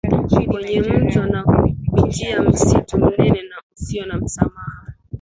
kwenye mto na kupitia msitu mnene na usio na msamaha